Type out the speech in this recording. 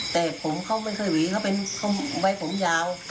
แต่ผมเขาไม่เคยหวีไว้ผมยาว